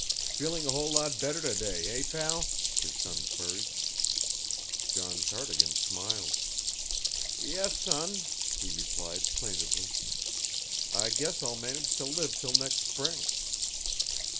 "Feeling a whole lot better to day, eh, pal?" his son queried. John Cardigan smiled. "Yes, son," he replied plaintively. "I guess I'll manage to live till next spring."